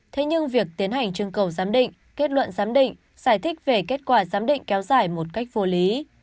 thế nhưng việc tiến hành chương cầu giám định kết luận giám định giải thích về kết quả giám định kéo dài một cách vô lý